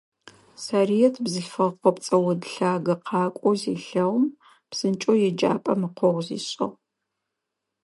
Сарыет бзылъфыгъэ къопцӏэ од лъагэ къакӏоу зелъэгъум, псынкӏэу еджапӏэм ыкъогъу зишӏыгъ.